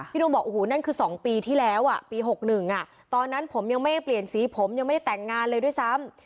โดมบอกโอ้โหนั่นคือ๒ปีที่แล้วปี๖๑ตอนนั้นผมยังไม่ได้เปลี่ยนสีผมยังไม่ได้แต่งงานเลยด้วยซ้ำ